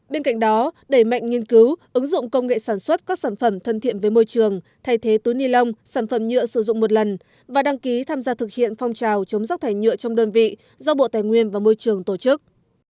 bên cạnh đó đẩy mạnh nghiên cứu ứng dụng công nghệ sản xuất các sản phẩm thân thiện với môi trường thay thế túi ni lông sản phẩm nhựa sử dụng một lần và đăng ký tham gia thực hiện phong trào chống rác thải nhựa trong đơn vị do bộ tài nguyên và môi trường tổ chức